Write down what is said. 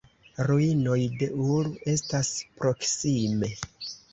Ruinoj de Ur estas proksime.